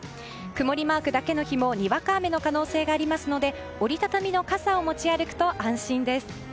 曇りマークだけの日もにわか雨の可能性がありますので折り畳み傘を持ち歩くと安心です。